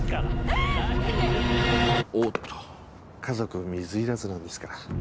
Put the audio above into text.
家族水入らずなんですから。